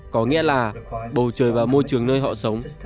có nghĩa là bầu trời và môi trường nơi họ sống